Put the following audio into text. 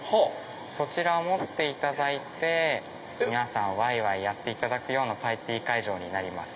そちらを持っていただいて皆さんわいわいやっていただくパーティー会場になります。